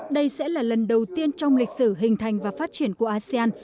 đây sẽ là lần đầu tiên trong lịch sử hình thành và phát triển của asean